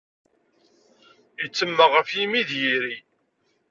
Ittemmeɣ ɣef yimi d yiri.